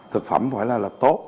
thực phẩm phải là tốt